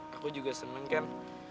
aku juga senang ken